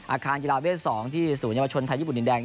อาคารกีฬาเวท๒ที่ศูนยวชนไทยญี่ปุ่นดินแดง